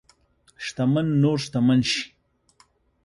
شتمن نور شتمن شي.